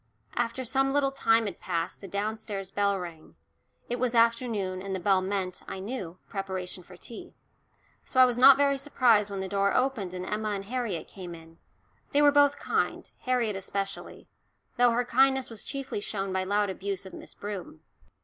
After some little time had passed the downstairs bell rang it was afternoon, and the bell meant, I knew, preparation for tea. So I was not very surprised when the door opened and Emma and Harriet came in they were both kind, Harriet especially, though her kindness was chiefly shown by loud abuse of Miss Broom.